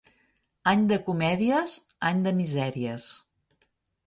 Any de comèdies, any de misèries.